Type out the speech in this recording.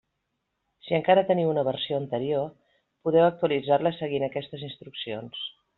Si encara teniu una versió anterior, podeu actualitzar-la seguint aquestes instruccions.